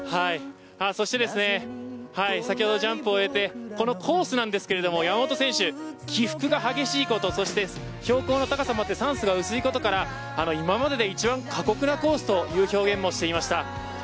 そして、先ほどジャンプを終えてこのコースなんですが山本選手、起伏が激しいことそして、標高の高さもあって酸素が薄いことから今までで一番過酷なコースという表現をしていました。